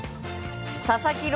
佐々木朗